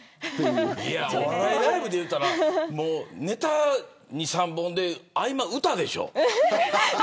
お笑いライブやったらネタが２、３本で合間は歌でしょ。